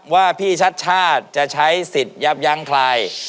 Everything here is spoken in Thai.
ว่าพี่ชัดชาติจะใช้สิทธิ์ยับยั้งใคร